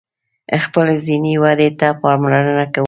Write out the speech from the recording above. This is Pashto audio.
خپلی ذهنی ودي ته پاملرنه کوم